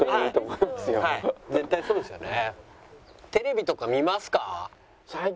絶対そうですよね。